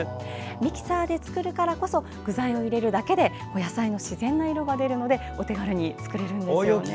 ミキサーで作るからこそ具材を入れるだけで野菜の自然な色が出るのでお手軽に作れるんですよね。